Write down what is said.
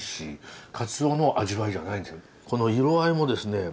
この色合いもですね